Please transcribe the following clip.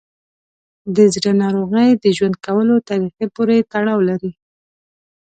د زړه ناروغۍ د ژوند کولو طریقه پورې تړاو لري.